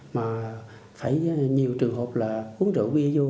mà phải nhiều trường hợp là uống rượu bia vô